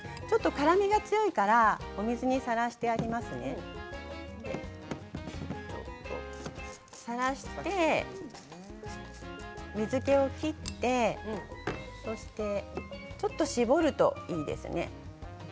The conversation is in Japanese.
辛みが強いからお水にさらしてありますねさらして、水けを切ってちょっと絞るといいですね。